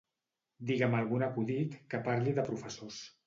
Digue'm algun acudit que parli de professors.